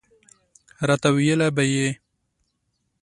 راته ویله به یې.